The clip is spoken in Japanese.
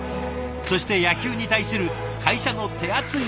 そして野球に対する会社の手厚いサポート。